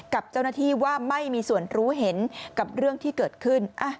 กับเจ้าหน้าที่ว่าไม่มีส่วนรู้เห็นกับเรื่องที่เกิดขึ้น